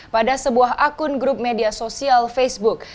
pada sebuah akun grup media sosial facebook